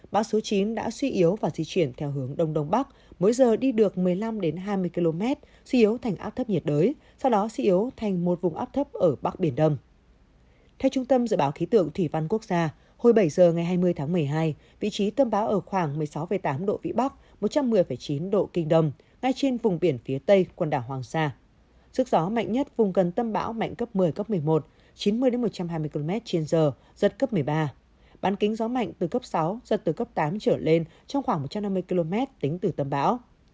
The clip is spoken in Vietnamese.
bán kính gió mạnh từ cấp sáu giật từ cấp tám trở lên trong khoảng một trăm năm mươi km tính từ tâm báo